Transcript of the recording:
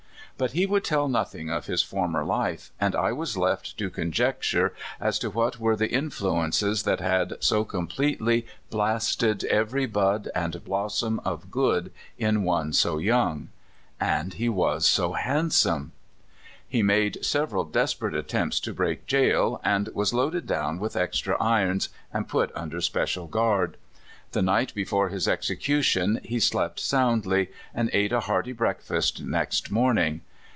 But he would tell noth ing of his former life, and I was left to conjecture as to what were the influences that had so com pletely blasted every bud and blossom of good in one so young. And he was so handsome ! He made several desperate attempts to break jail, and was loaded down with extra irons and put under special guard. The night before his execu tion he slept soundlv, and ate a hearty breakfast next morning.